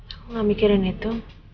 aku enggak mikirin itu